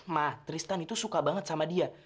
mah tristan itu suka banget sama dia